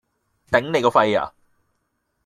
頂你個肺呀！